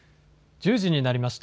１０時になりました。